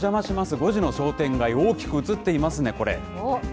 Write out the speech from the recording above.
５時の商店街、大きく映っていますね、これ。